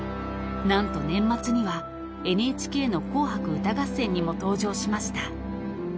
［何と年末にはＮＨＫの『紅白歌合戦』にも登場しました］